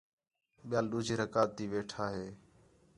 ٻِیال ݙُوجھی رکعت تی ویھݨاں ہِے